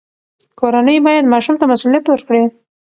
کورنۍ باید ماشوم ته مسوولیت ورکړي.